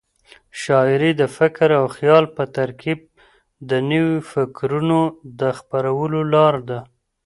شاعري د فکر او خیال په ترکیب د نوو مفکورو د خپرولو لار ده.